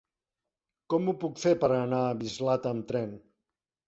Com ho puc fer per anar a Mislata amb tren?